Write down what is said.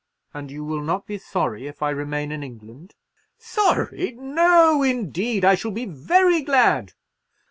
"And you will not be sorry if I remain in England?" "Sorry! No, indeed; I shall be very glad.